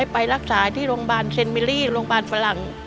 ไปรักษาที่โรงพยาบาลเซ็นมิลี่โรงพยาบาลฝรั่ง